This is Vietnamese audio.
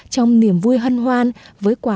trong niềm vui hân hoan với quà bán